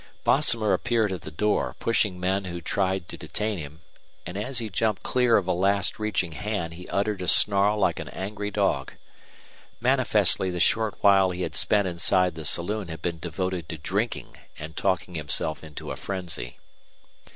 Bosomer appeared at the door, pushing men who tried to detain him, and as he jumped clear of a last reaching hand he uttered a snarl like an angry dog. Manifestly the short while he had spent inside the saloon had been devoted to drinking and talking himself into a frenzy.